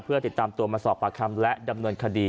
เพื่อติดตามตัวมาสอบปากคำและดำเนินคดี